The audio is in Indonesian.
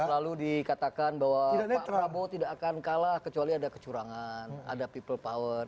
selalu dikatakan bahwa pak prabowo tidak akan kalah kecuali ada kecurangan ada people power